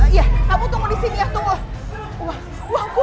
iya kamu tunggu di sini ya tunggu